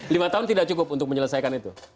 lima tahun tidak cukup untuk menyelesaikan itu